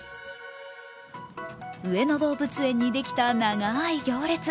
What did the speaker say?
上野動物園にできた長い行列。